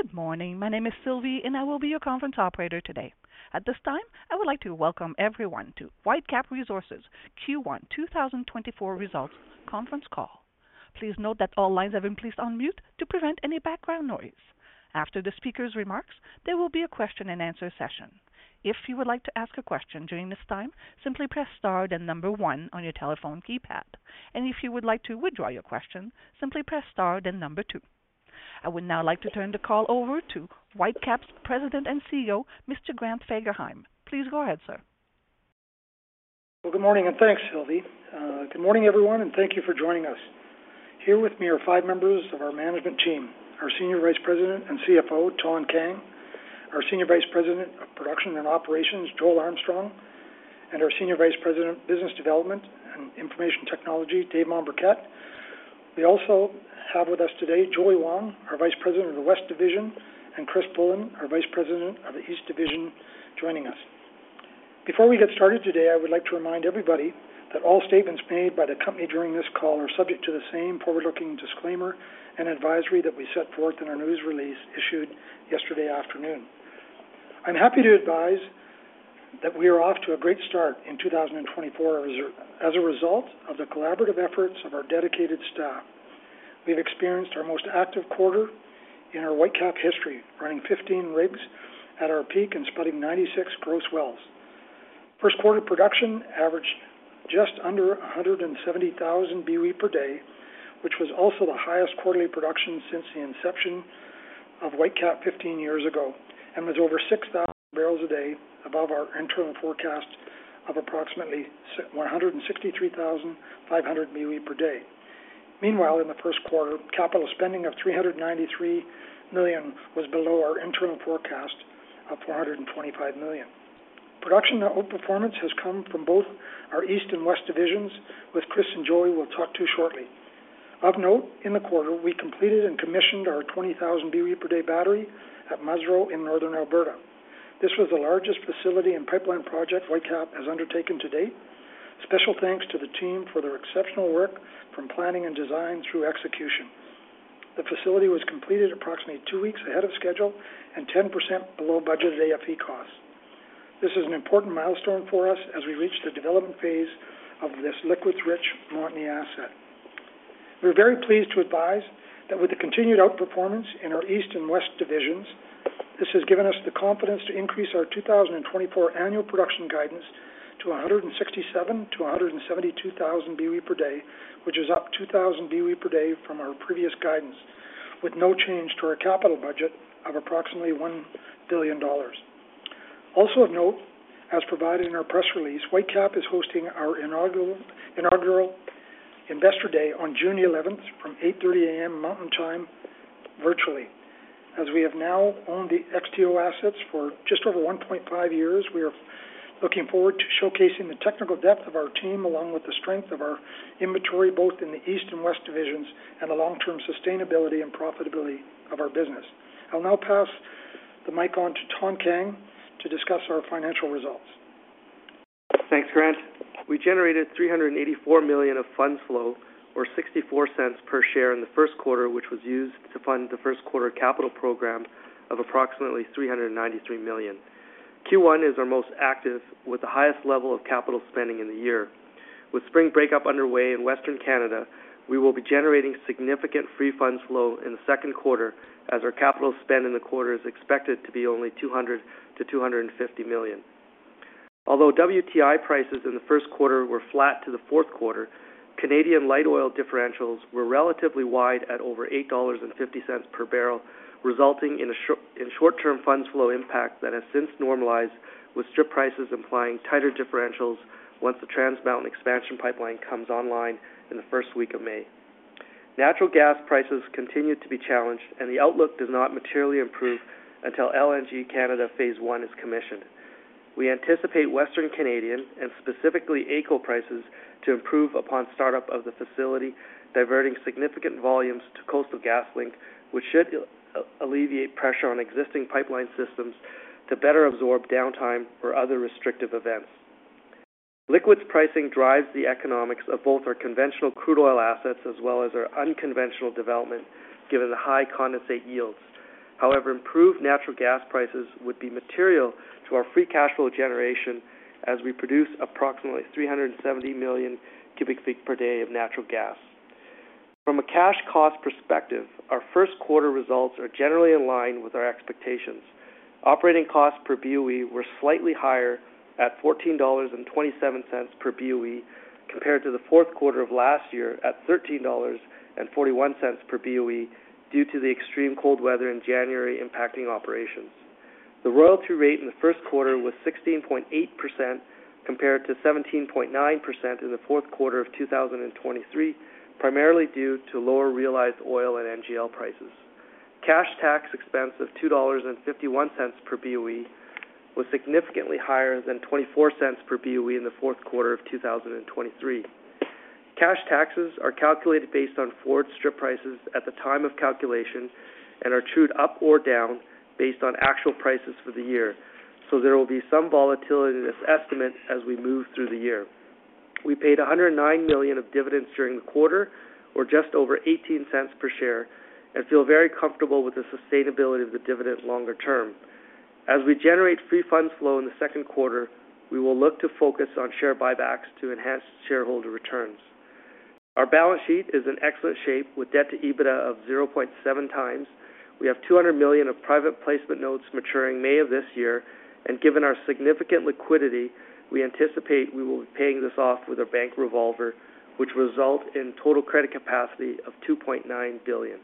Good morning, my name is Sylvie and I will be your conference operator today. At this time I would like to welcome everyone to Whitecap Resources Q1 2024 results conference call. Please note that all lines have been placed on mute to prevent any background noise. After the speaker's remarks, there will be a question and answer session. If you would like to ask a question during this time, simply press star then number 1 on your telephone keypad, and if you would like to withdraw your question, simply press star then number 2. I would now like to turn the call over to Whitecap's President and CEO, Mr. Grant Fagerheim. Please go ahead, sir. Well, good morning and thanks, Sylvie. Good morning everyone and thank you for joining us. Here with me are five members of our management team: our Senior Vice President and CFO, Thanh Kang; our Senior Vice President of Production and Operations, Joel Armstrong; and our Senior Vice President of Business Development and Information Technology, Dave Mombourquette. We also have with us today Joey Wong, our Vice President of the West Division, and Chris Burrus, our Vice President of the East Division, joining us. Before we get started today, I would like to remind everybody that all statements made by the company during this call are subject to the same forward-looking disclaimer and advisory that we set forth in our news release issued yesterday afternoon. I'm happy to advise that we are off to a great start in 2024 as a result of the collaborative efforts of our dedicated staff. We've experienced our most active quarter in our Whitecap history, running 15 rigs at our peak and spotting 96 gross wells. First quarter production averaged just under 170,000 BOE per day, which was also the highest quarterly production since the inception of Whitecap 15 years ago, and was over 6,000 barrels a day above our internal forecast of approximately 163,500 BOE per day. Meanwhile, in the first quarter, capital spending of 393 million was below our internal forecast of 425 million. Production outperformance has come from both our East and West Divisions, with Chris and Joey we'll talk to shortly. Of note, in the quarter we completed and commissioned our 20,000 BOE per day battery at Musreau in Northern Alberta. This was the largest facility and pipeline project Whitecap has undertaken to date. Special thanks to the team for their exceptional work from planning and design through execution. The facility was completed approximately 2 weeks ahead of schedule and 10% below budgeted AFE costs. This is an important milestone for us as we reach the development phase of this liquids-rich Montney asset. We're very pleased to advise that with the continued outperformance in our East and West Divisions, this has given us the confidence to increase our 2024 annual production guidance to 167,000-172,000 BOE per day, which is up 2,000 BOE per day from our previous guidance, with no change to our capital budget of approximately 1 billion dollars. Also of note, as provided in our press release, Whitecap is hosting our inaugural Investor Day on June 11th from 8:30 A.M. Mountain Time virtually. As we have now owned the XTO assets for just over 1.5 years, we are looking forward to showcasing the technical depth of our team along with the strength of our inventory both in the East and West Divisions and the long-term sustainability and profitability of our business. I'll now pass the mic on to Thanh Kang to discuss our financial results. Thanks, Grant. We generated 384 million of funds flow, or 0.64 per share, in the first quarter, which was used to fund the first quarter capital program of approximately 393 million. Q1 is our most active, with the highest level of capital spending in the year. With spring breakup underway in Western Canada, we will be generating significant free funds flow in the second quarter as our capital spend in the quarter is expected to be only 200 million-250 million. Although WTI prices in the first quarter were flat to the fourth quarter, Canadian light oil differentials were relatively wide at over $8.50 per barrel, resulting in a short-term funds flow impact that has since normalized, with strip prices implying tighter differentials once the Trans Mountain expansion pipeline comes online in the first week of May. Natural gas prices continue to be challenged, and the outlook does not materially improve until LNG Canada Phase One is commissioned. We anticipate Western Canadian and specifically AECO prices to improve upon startup of the facility, diverting significant volumes to Coastal GasLink, which should alleviate pressure on existing pipeline systems to better absorb downtime or other restrictive events. Liquids pricing drives the economics of both our conventional crude oil assets as well as our unconventional development, given the high condensate yields. However, improved natural gas prices would be material to our free cash flow generation as we produce approximately 370 million cubic feet per day of natural gas. From a cash cost perspective, our first quarter results are generally in line with our expectations. Operating costs per BOE were slightly higher at 14.27 dollars per BOE compared to the fourth quarter of last year at 13.41 dollars per BOE due to the extreme cold weather in January impacting operations. The royalty rate in the first quarter was 16.8% compared to 17.9% in the fourth quarter of 2023, primarily due to lower realized oil and NGL prices. Cash tax expense of 2.51 dollars per BOE was significantly higher than 0.24 per BOE in the fourth quarter of 2023. Cash taxes are calculated based on forward strip prices at the time of calculation and are true up or down based on actual prices for the year, so there will be some volatility in this estimate as we move through the year. We paid 109 million of dividends during the quarter, or just over 0.18 per share, and feel very comfortable with the sustainability of the dividend longer term. As we generate free funds flow in the second quarter, we will look to focus on share buybacks to enhance shareholder returns. Our balance sheet is in excellent shape, with debt to EBITDA of 0.7x. We have $200 million of private placement notes maturing May of this year, and given our significant liquidity, we anticipate we will be paying this off with our bank revolver, which results in total credit capacity of $2.9 billion.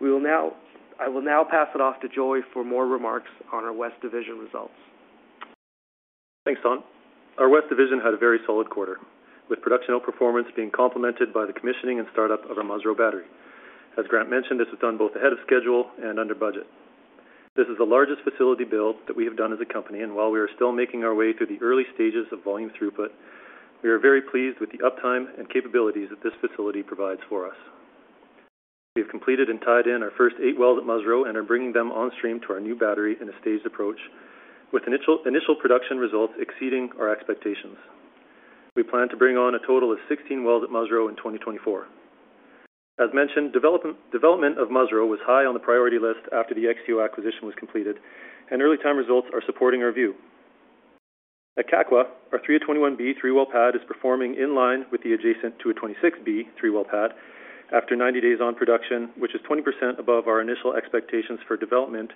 I will now pass it off to Joey for more remarks on our West Division results. Thanks, Thanh. Our West Division had a very solid quarter, with production outperformance being complemented by the commissioning and startup of our Musreau battery. As Grant mentioned, this was done both ahead of schedule and under budget. This is the largest facility build that we have done as a company, and while we are still making our way through the early stages of volume throughput, we are very pleased with the uptime and capabilities that this facility provides for us. We have completed and tied in our first eight wells at Musreau and are bringing them onstream to our new battery in a staged approach, with initial production results exceeding our expectations. We plan to bring on a total of 16 wells at Musreau in 2024. As mentioned, development of Musreau was high on the priority list after the XTO acquisition was completed, and early-time results are supporting our view. At Kakwa, our 321B three-well pad is performing in line with the adjacent 226B three-well pad after 90 days on production, which is 20% above our initial expectations for development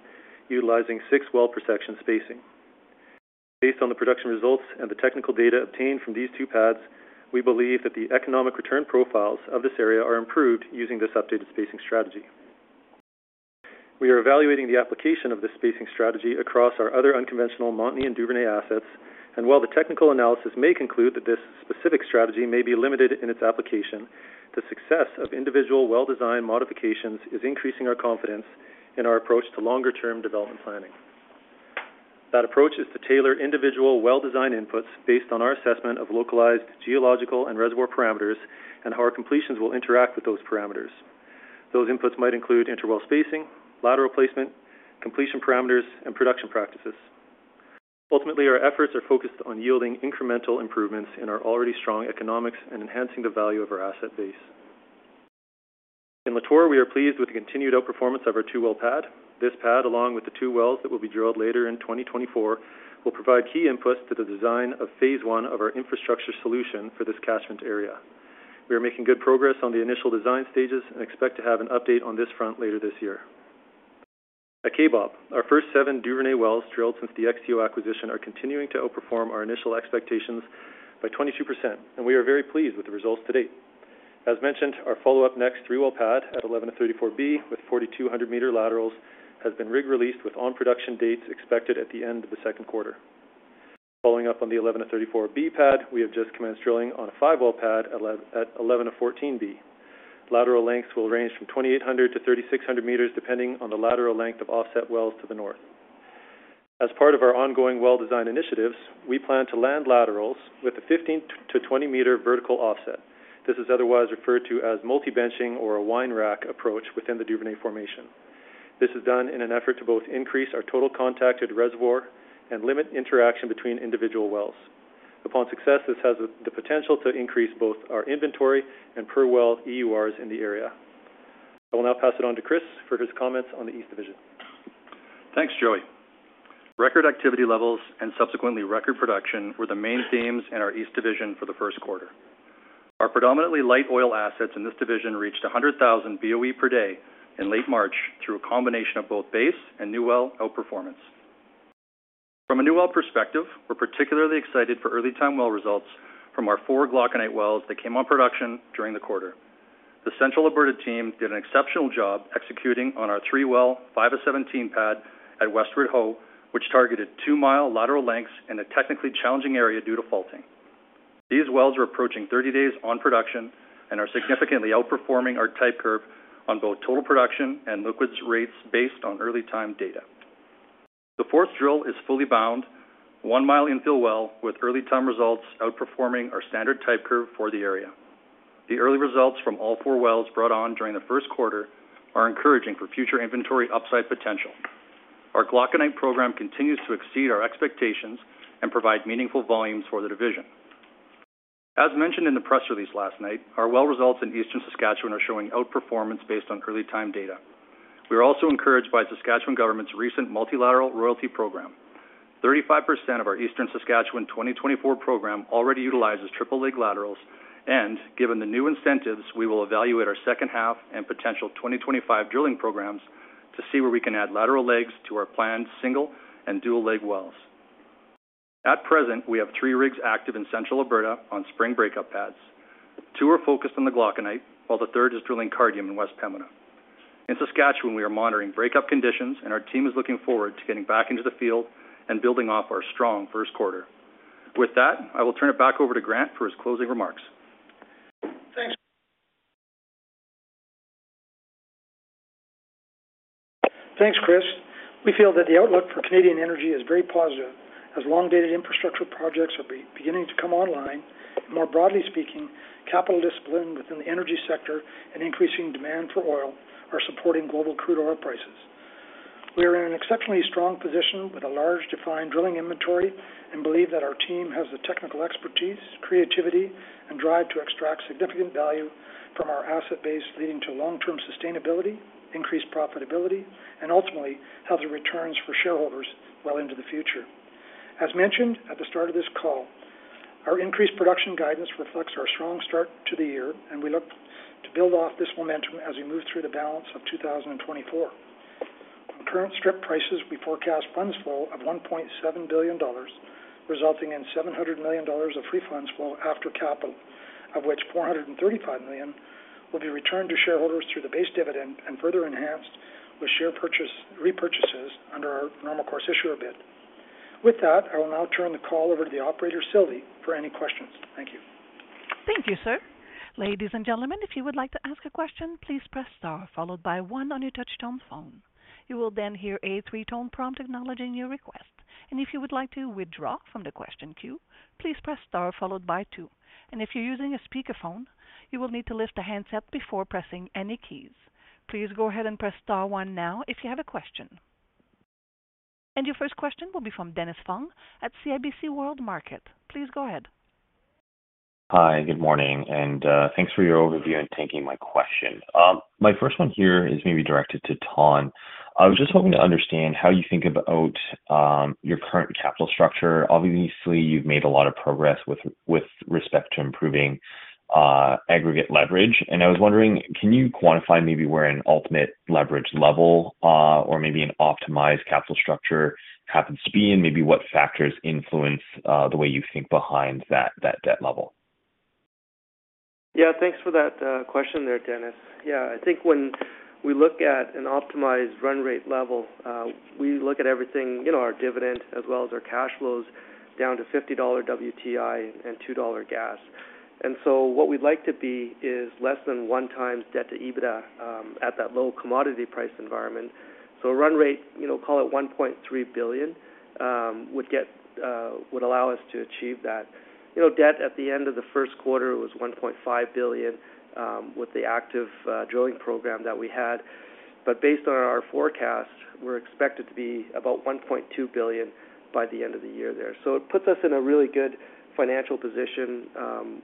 utilizing six-well per section spacing. Based on the production results and the technical data obtained from these two pads, we believe that the economic return profiles of this area are improved using this updated spacing strategy. We are evaluating the application of this spacing strategy across our other unconventional Montney and Duvernay assets, and while the technical analysis may conclude that this specific strategy may be limited in its application, the success of individual well-designed modifications is increasing our confidence in our approach to longer-term development planning. That approach is to tailor individual well-designed inputs based on our assessment of localized geological and reservoir parameters and how our completions will interact with those parameters. Those inputs might include interwell spacing, lateral placement, completion parameters, and production practices. Ultimately, our efforts are focused on yielding incremental improvements in our already strong economics and enhancing the value of our asset base. In Lator, we are pleased with the continued outperformance of our two well pad. This pad, along with the two wells that will be drilled later in 2024, will provide key inputs to the design of Phase One of our infrastructure solution for this catchment area. We are making good progress on the initial design stages and expect to have an update on this front later this year. At Kaybob, our first seven Duvernay wells drilled since the XTO acquisition are continuing to outperform our initial expectations by 22%, and we are very pleased with the results to date. As mentioned, our follow-up next 3-well pad at 1134B with 4,200-meter laterals has been rig released with on-production dates expected at the end of the second quarter. Following up on the 1134B pad, we have just commenced drilling on a 5-well pad at 1114B. Lateral lengths will range from 2,800-3,600 meters, depending on the lateral length of offset wells to the north. As part of our ongoing well design initiatives, we plan to land laterals with a 15-20-meter vertical offset. This is otherwise referred to as multi-benching or a wine rack approach within the Duvernay formation. This is done in an effort to both increase our total contacted reservoir and limit interaction between individual wells. Upon success, this has the potential to increase both our inventory and per well EURs in the area. I will now pass it on to Chris for his comments on the East Division. Thanks, Joey. Record activity levels and subsequently record production were the main themes in our East Division for the first quarter. Our predominantly light oil assets in this division reached 100,000 BOE per day in late March through a combination of both base and new well outperformance. From a new well perspective, we're particularly excited for early-time well results from our four Glauconite wells that came on production during the quarter. The Central Alberta team did an exceptional job executing on our three-well 517 pad at Westward Ho, which targeted two-mile lateral lengths in a technically challenging area due to faulting. These wells are approaching 30 days on production and are significantly outperforming our type curve on both total production and liquids rates based on early-time data. The fourth drill is fully bound, one-mile infill well with early-time results outperforming our standard type curve for the area. The early results from all four wells brought on during the first quarter are encouraging for future inventory upside potential. Our Glauconite program continues to exceed our expectations and provide meaningful volumes for the division. As mentioned in the press release last night, our well results in Eastern Saskatchewan are showing outperformance based on early-time data. We are also encouraged by Saskatchewan government's recent multilateral royalty program. 35% of our Eastern Saskatchewan 2024 program already utilizes triple-leg laterals, and given the new incentives, we will evaluate our second half and potential 2025 drilling programs to see where we can add lateral legs to our planned single and dual-leg wells. At present, we have three rigs active in Central Alberta on spring breakup pads. Two are focused on the Glauconite, while the third is drilling Cardium in West Pembina. In Saskatchewan, we are monitoring breakup conditions, and our team is looking forward to getting back into the field and building off our strong first quarter. With that, I will turn it back over to Grant for his closing remarks. Thanks. Thanks, Chris. We feel that the outlook for Canadian energy is very positive as long-dated infrastructure projects are beginning to come online, and more broadly speaking, capital discipline within the energy sector and increasing demand for oil are supporting global crude oil prices. We are in an exceptionally strong position with a large defined drilling inventory and believe that our team has the technical expertise, creativity, and drive to extract significant value from our asset base leading to long-term sustainability, increased profitability, and ultimately healthy returns for shareholders well into the future. As mentioned at the start of this call, our increased production guidance reflects our strong start to the year, and we look to build off this momentum as we move through the balance of 2024. On current strip prices, we forecast funds flow of 1.7 billion dollars, resulting in 700 million dollars of free funds flow after capital, of which 435 million will be returned to shareholders through the base dividend and further enhanced with share repurchases under our normal course issuer bid. With that, I will now turn the call over to the operator, Sylvie, for any questions. Thank you. Thank you, sir. Ladies and gentlemen, if you would like to ask a question, please press star followed by one on your touch tone phone. You will then hear a three-tone prompt acknowledging your request. If you would like to withdraw from the question queue, please press star followed by two. If you're using a speakerphone, you will need to lift the handset before pressing any keys. Please go ahead and press star one now if you have a question. Your first question will be from Dennis Fong at CIBC World Markets. Please go ahead. Hi, good morning. Thanks for your overview and taking my question. My first one here is maybe directed to Thanh. I was just hoping to understand how you think about your current capital structure. Obviously, you've made a lot of progress with respect to improving aggregate leverage. I was wondering, can you quantify maybe where an ultimate leverage level or maybe an optimized capital structure happens to be, and maybe what factors influence the way you think behind that debt level? Yeah, thanks for that question there, Dennis. Yeah, I think when we look at an optimized run rate level, we look at everything, our dividend as well as our cash flows, down to $50 WTI and $2 gas. And so what we'd like to be is less than one times debt to EBITDA at that low commodity price environment. So a run rate, call it 1.3 billion, would allow us to achieve that. Debt at the end of the first quarter was 1.5 billion with the active drilling program that we had. But based on our forecast, we're expected to be about 1.2 billion by the end of the year there. So it puts us in a really good financial position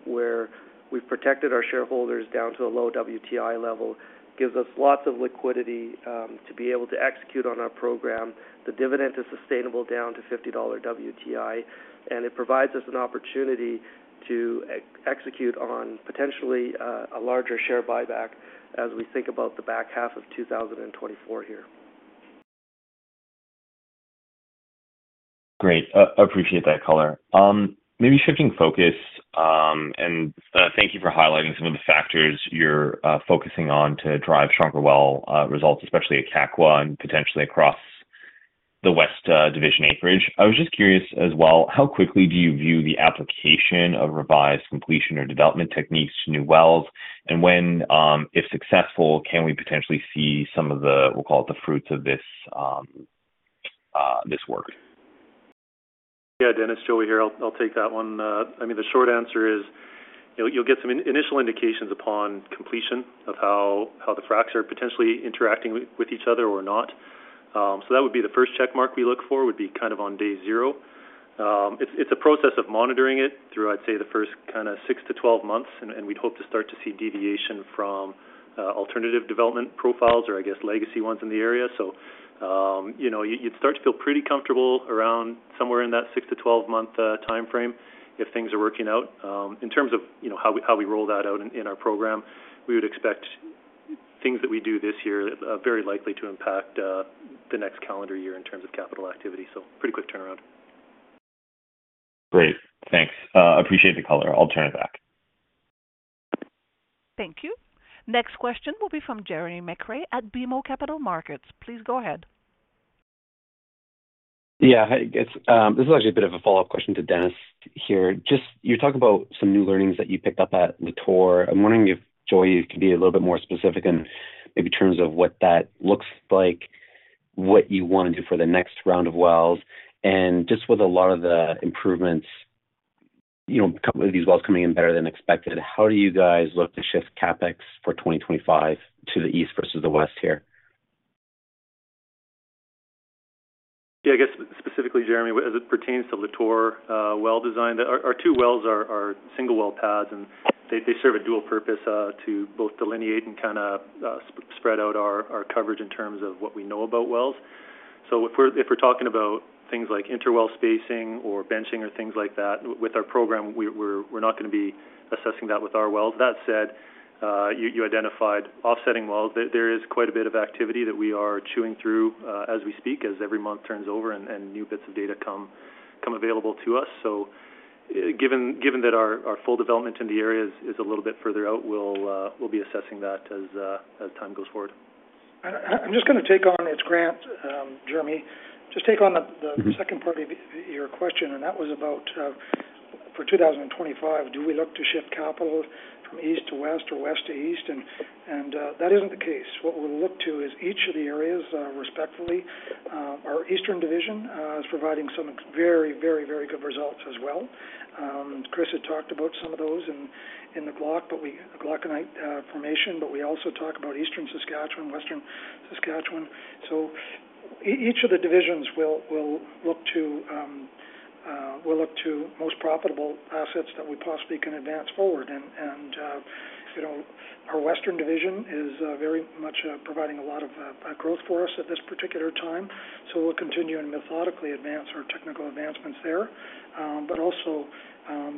where we've protected our shareholders down to a low WTI level, gives us lots of liquidity to be able to execute on our program. The dividend is sustainable down to $50 WTI, and it provides us an opportunity to execute on potentially a larger share buyback as we think about the back half of 2024 here. Great. Appreciate that color. Maybe shifting focus, and thank you for highlighting some of the factors you're focusing on to drive stronger well results, especially at Kakwa and potentially across the West Division acreage. I was just curious as well, how quickly do you view the application of revised completion or development techniques to new wells? And when, if successful, can we potentially see some of the, we'll call it the fruits of this work? Yeah, Dennis, Joey here. I'll take that one. I mean, the short answer is you'll get some initial indications upon completion of how the fracks are potentially interacting with each other or not. So that would be the first checkmark we look for would be kind of on day zero. It's a process of monitoring it through, I'd say, the first kind of 6-12 months, and we'd hope to start to see deviation from alternative development profiles or, I guess, legacy ones in the area. So you'd start to feel pretty comfortable around somewhere in that 6-12-month time frame if things are working out. In terms of how we roll that out in our program, we would expect things that we do this year very likely to impact the next calendar year in terms of capital activity. So pretty quick turnaround. Great. Thanks. Appreciate the color. I'll turn it back. Thank you. Next question will be from Jeremy McCrea at BMO Capital Markets. Please go ahead. Yeah, this is actually a bit of a follow-up question to Dennis here. You're talking about some new learnings that you picked up at Lator. I'm wondering if, Joey, you can be a little bit more specific in maybe terms of what that looks like, what you want to do for the next round of wells, and just with a lot of the improvements, these wells coming in better than expected, how do you guys look to shift CapEx for 2025 to the east versus the west here? Yeah, I guess specifically, Jeremy, as it pertains to Lator well design, our two wells are single well pads, and they serve a dual purpose to both delineate and kind of spread out our coverage in terms of what we know about wells. So if we're talking about things like interwell spacing or benching or things like that, with our program, we're not going to be assessing that with our wells. That said, you identified offsetting wells. There is quite a bit of activity that we are chewing through as we speak, as every month turns over and new bits of data come available to us. So given that our full development in the area is a little bit further out, we'll be assessing that as time goes forward. I'm just going to take on. It's Grant, Jeremy. Just take on the second part of your question, and that was about, for 2025, do we look to shift capital from east to west or west to east? And that isn't the case. What we'll look to is each of the areas respectively. Our Eastern Division is providing some very, very, very good results as well. Chris had talked about some of those in the Glauconite formation, but we also talk about Eastern Saskatchewan, Western Saskatchewan. So each of the divisions will look to most profitable assets that we possibly can advance forward. And our Western Division is very much providing a lot of growth for us at this particular time. So we'll continue and methodically advance our technical advancements there. But also,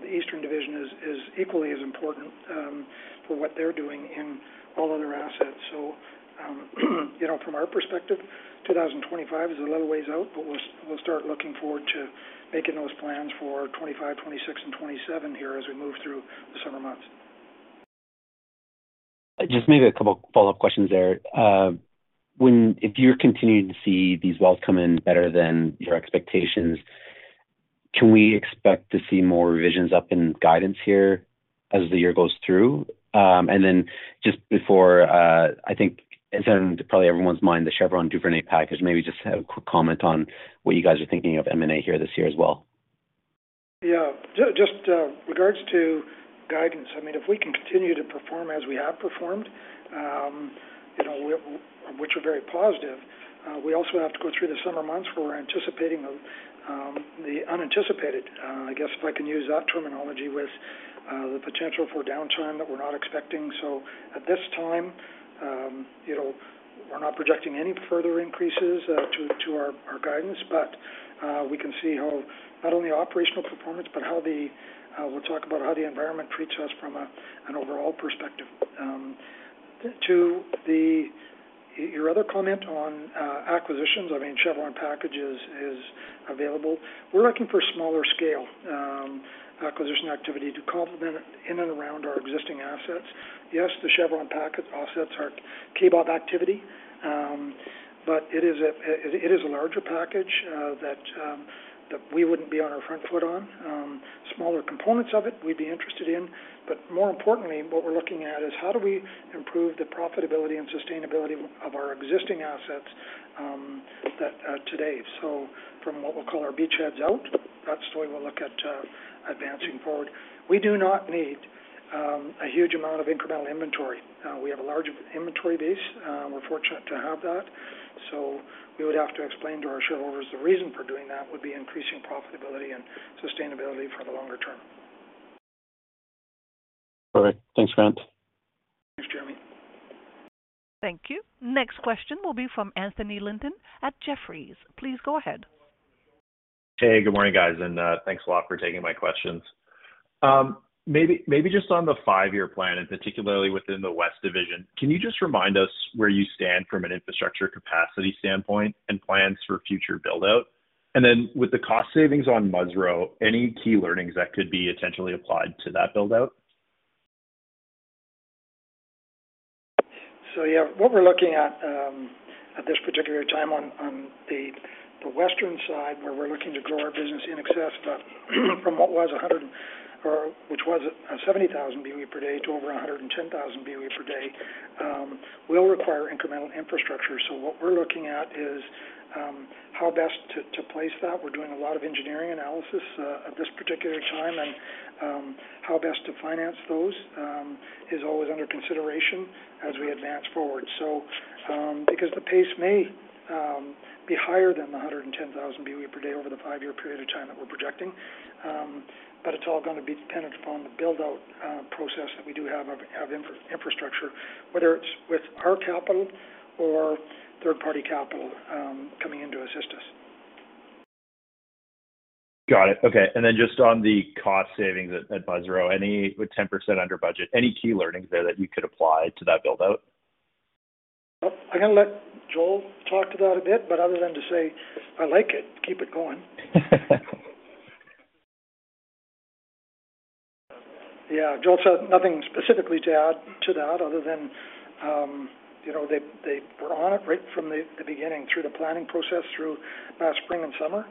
the Eastern Division is equally as important for what they're doing in all other assets. So from our perspective, 2025 is a little ways out, but we'll start looking forward to making those plans for 2025, 2026, and 2027 here as we move through the summer months. Just maybe a couple of follow-up questions there. If you're continuing to see these wells come in better than your expectations, can we expect to see more revisions up in guidance here as the year goes through? And then just before, I think it's on probably everyone's mind, the Chevron Duvernay package. Maybe just a quick comment on what you guys are thinking of M&A here this year as well. Yeah, just in regards to guidance, I mean, if we can continue to perform as we have performed, which are very positive, we also have to go through the summer months where we're anticipating the unanticipated, I guess if I can use that terminology, with the potential for downtime that we're not expecting. So at this time, we're not projecting any further increases to our guidance, but we can see how not only operational performance, but how we'll talk about how the environment treats us from an overall perspective. Two, your other comment on acquisitions, I mean, Chevron package is available. We're looking for smaller scale acquisition activity to complement in and around our existing assets. Yes, the Chevron package offsets our Kaybob activity, but it is a larger package that we wouldn't be on our front foot on. Smaller components of it we'd be interested in. More importantly, what we're looking at is how do we improve the profitability and sustainability of our existing assets today. From what we'll call our beachheads out, that's the way we'll look at advancing forward. We do not need a huge amount of incremental inventory. We have a large inventory base. We're fortunate to have that. We would have to explain to our shareholders the reason for doing that would be increasing profitability and sustainability for the longer term. Perfect. Thanks, Grant. Thanks, Jeremy. Thank you. Next question will be from Anthony Linton at Jefferies. Please go ahead. Hey, good morning, guys. Thanks a lot for taking my questions. Maybe just on the five-year plan, and particularly within the West Division, can you just remind us where you stand from an infrastructure capacity standpoint and plans for future buildout? And then with the cost savings on Musreau, any key learnings that could be potentially applied to that buildout? So yeah, what we're looking at at this particular time on the Western side, where we're looking to grow our business in excess from what was 100,000 or which was 70,000 BOE per day to over 110,000 BOE per day, will require incremental infrastructure. So what we're looking at is how best to place that. We're doing a lot of engineering analysis at this particular time, and how best to finance those is always under consideration as we advance forward. So because the pace may be higher than the 110,000 BOE per day over the five-year period of time that we're projecting, but it's all going to be dependent upon the buildout process that we do have of infrastructure, whether it's with our capital or third-party capital coming in to assist us. Got it. Okay. And then just on the cost savings at Musreau, with 10% under budget, any key learnings there that you could apply to that buildout? I'm going to let Joel talk to that a bit, but other than to say, "I like it, keep it going." Yeah, Joel said nothing specifically to add to that other than they were on it right from the beginning, through the planning process, through last spring and summer,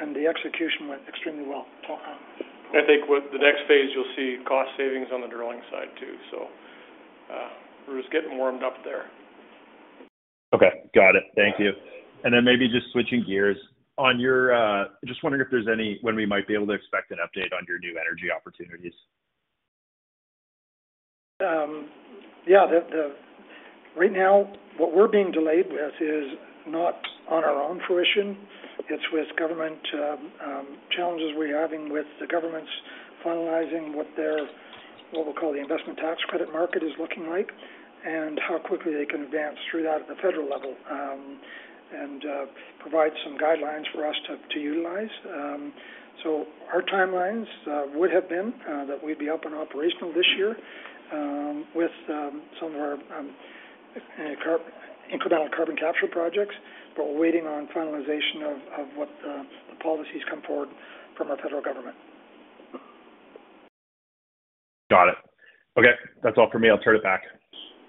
and the execution went extremely well. I think the next phase, you'll see cost savings on the drilling side too. So we're just getting warmed up there. Okay. Got it. Thank you. And then maybe just switching gears, just wondering if there's any when we might be able to expect an update on your new energy opportunities? Yeah, right now, what we're being delayed with is not on our own volition. It's with government challenges we're having with the government's finalizing what we'll call the Investment Tax Credit. Market is looking like and how quickly they can advance through that at the federal level and provide some guidelines for us to utilize. So our timelines would have been that we'd be up and operational this year with some of our incremental carbon capture projects, but we're waiting on finalization of what the policies come forward from our federal government. Got it. Okay. That's all for me. I'll turn it back.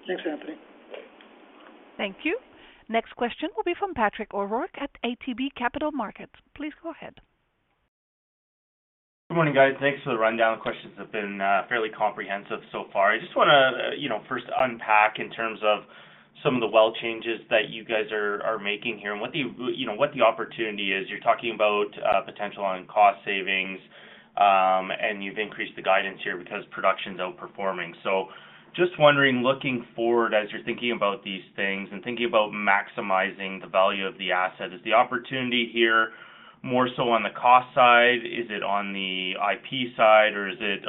Thanks, Anthony. Thank you. Next question will be from Patrick O'Rourke at ATB Capital Markets. Please go ahead. Good morning, guys. Thanks for the rundown. The questions have been fairly comprehensive so far. I just want to first unpack in terms of some of the well changes that you guys are making here and what the opportunity is. You're talking about potential on cost savings, and you've increased the guidance here because production's outperforming. So just wondering, looking forward as you're thinking about these things and thinking about maximizing the value of the asset, is the opportunity here more so on the cost side? Is it on the IP side, or is it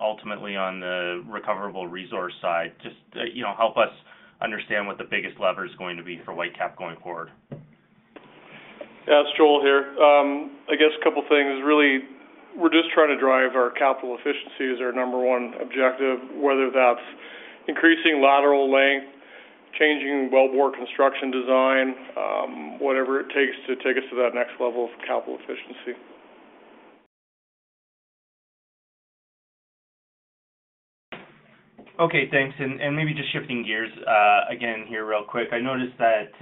ultimately on the recoverable resource side? Just help us understand what the biggest lever is going to be for Whitecap going forward. Yeah, it's Joel here. I guess a couple of things. Really, we're just trying to drive our capital efficiency as our number one objective, whether that's increasing lateral length, changing wellbore construction design, whatever it takes to take us to that next level of capital efficiency. Okay, thanks. And maybe just shifting gears again here real quick. I noticed that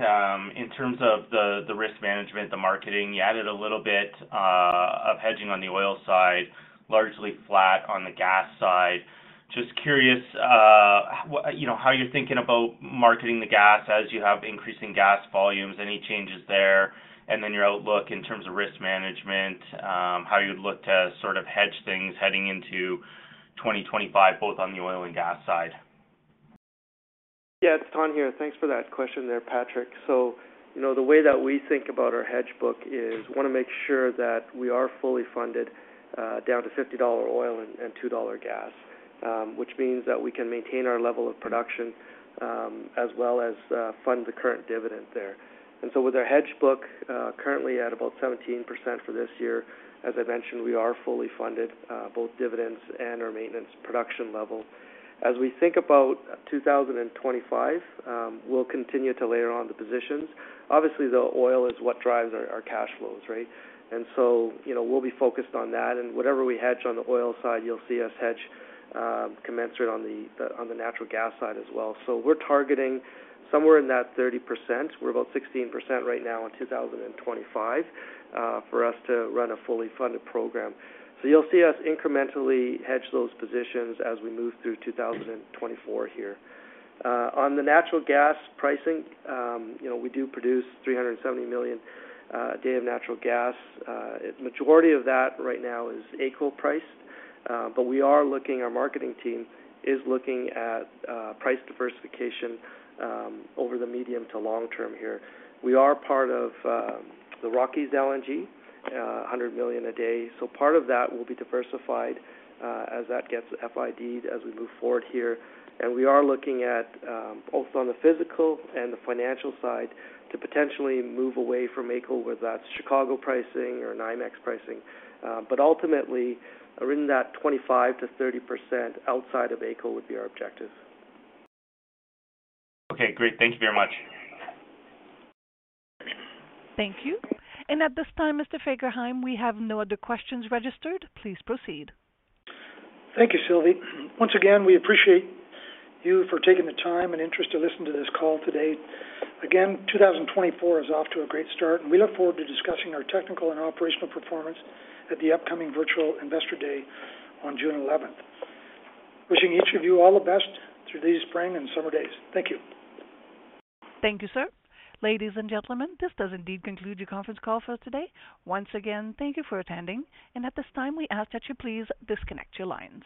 in terms of the risk management, the marketing, you added a little bit of hedging on the oil side, largely flat on the gas side. Just curious how you're thinking about marketing the gas as you have increasing gas volumes, any changes there, and then your outlook in terms of risk management, how you'd look to sort of hedge things heading into 2025, both on the oil and gas side. Yeah, it's Thanh here. Thanks for that question there, Patrick. So the way that we think about our hedge book is we want to make sure that we are fully funded down to $50 oil and $2 gas, which means that we can maintain our level of production as well as fund the current dividend there. And so with our hedge book currently at about 17% for this year, as I mentioned, we are fully funded, both dividends and our maintenance production level. As we think about 2025, we'll continue to layer on the positions. Obviously, the oil is what drives our cash flows, right? And so we'll be focused on that. And whatever we hedge on the oil side, you'll see us hedge commensurate on the natural gas side as well. So we're targeting somewhere in that 30%. We're about 16% right now in 2025 for us to run a fully funded program. So you'll see us incrementally hedge those positions as we move through 2024 here. On the natural gas pricing, we do produce 370 million a day of natural gas. The majority of that right now is AECO-priced, but we are looking our marketing team is looking at price diversification over the medium to long term here. We are part of the Rockies LNG, 100 million a day. So part of that will be diversified as that gets FID'd as we move forward here. And we are looking at both on the physical and the financial side to potentially move away from AECO, whether that's Chicago pricing or NYMEX pricing. But ultimately, in that 25%-30% outside of AECO would be our objective. Okay, great. Thank you very much. Thank you. And at this time, Mr. Fagerheim, we have no other questions registered. Please proceed. Thank you, Sylvie. Once again, we appreciate you for taking the time and interest to listen to this call today. Again, 2024 is off to a great start, and we look forward to discussing our technical and operational performance at the upcoming virtual investor day on June 11th. Wishing each of you all the best through these spring and summer days. Thank you. Thank you, sir. Ladies and gentlemen, this does indeed conclude your conference call for us today. Once again, thank you for attending. At this time, we ask that you please disconnect your lines.